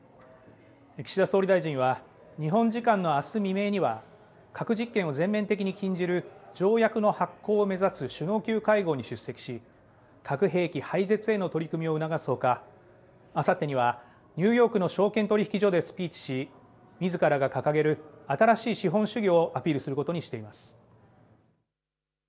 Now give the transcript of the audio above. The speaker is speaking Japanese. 岸田総理大臣は日本時間のあす未明には核実験を全面的に禁じる条約の発効を目指す首脳級会合に出席し核兵器廃絶への取り組みを促すほかあさってにはニューヨークの証券取引所でスピーチしみずからが掲げる新しい資本主義をアピールすることにしています。